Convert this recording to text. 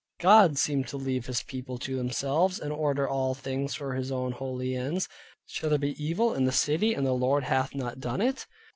God seemed to leave his People to themselves, and order all things for His own holy ends. Shall there be evil in the City and the Lord hath not done it?